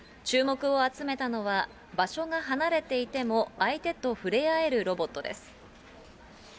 注目を集めたのは、場所が離れていても相手と触れ合えるロボットです。